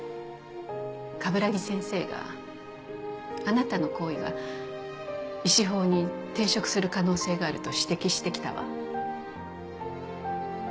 鏑木先生があなたの行為が医師法に抵触する可能性があると指摘してきたわ。